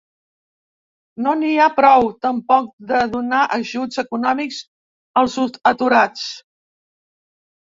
No n’hi ha prou tampoc de donar ajuts econòmics als aturats.